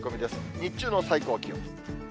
日中の最高気温。